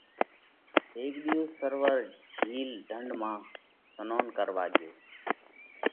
هيڪ ۮِي اُو سرووَر (جھِيل، ڍنڍ) مانه سنونَ ڪروا ڳيا۔